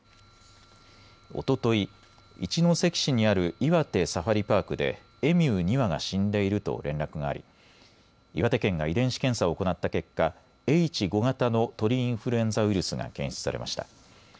おととい、一関市にある岩手サファリパークでエミュー２羽が死んでいると連絡があり岩手県が遺伝子検査を行った結果、Ｈ５型の鳥インフルエンザウイルスが検出されました。